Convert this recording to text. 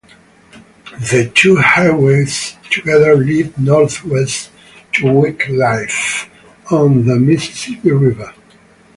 The two highways together lead northwest to Wickliffe on the Mississippi River.